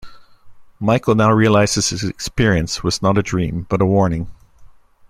Michael now realizes his experience was not a dream, but a warning.